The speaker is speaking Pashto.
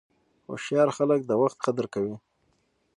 هوښیار خلک د وخت قدر کوي.